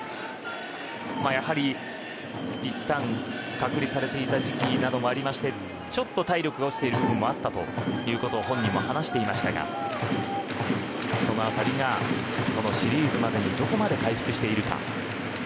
やはり、いったん隔離されていた時期などもありましてちょっと体力が落ちている部分もあったということを本人も話していましたがそのあたりがこのシリーズまでにどこまで回復しているか。